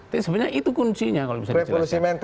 sebenarnya itu kuncinya kalau bisa dijelaskan